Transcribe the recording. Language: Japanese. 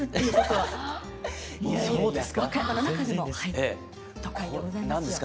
和歌山の中でも都会でございますよ。